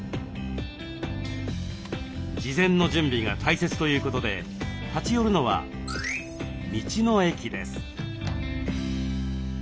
事前の準備が大切ということで立ち寄るのは「道の駅」です。